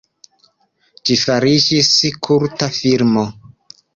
Ĝi fariĝis kulta filmo.